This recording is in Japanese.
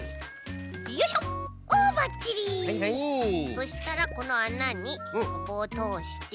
そしたらこのあなにぼうをとおして。